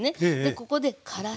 ここでからし。